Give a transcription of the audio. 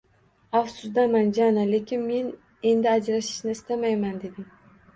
«Afsusdaman Jana, lekin men endi ajrashishni istamayman», dedim